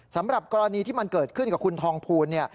สำหรับกรณีที่มันเกิดขึ้นกับคุณทองภูลเนี่ย